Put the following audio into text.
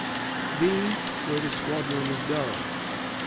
These were the squadron of Durell.